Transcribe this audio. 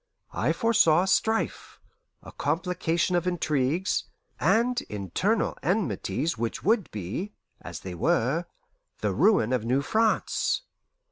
I foresaw a strife, a complication of intrigues, and internal enmities which would be (as they were) the ruin of New France.